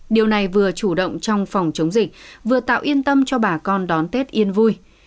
điều này vừa chủ động trong phòng chống dịch vừa tạo yên tâm cho bà con đón tết yên vui